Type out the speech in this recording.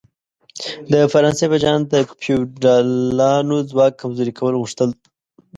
د فرانسې پاچاهان د فیوډالانو ځواک کمزوري کول غوښتل.